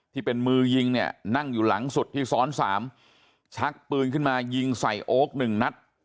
ที่เป็นมือยิงเนี่ยนั่งอยู่หลังสุดที่ซ้อนสามชักปืนขึ้นมายิงใส่โอ๊คหนึ่งนัด